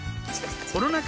コロナ禍